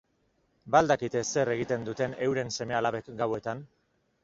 Ba al dakite zer egiten duten euren seme-alabek gauetan?